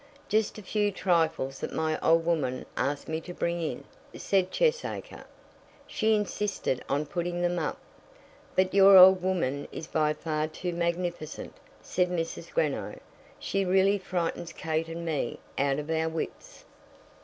"Just a few trifles that my old woman asked me to bring in," said Cheesacre. "She insisted on putting them up." "But your old woman is by far too magnificent," said Mrs. Greenow. "She really frightens Kate and me out of our wits."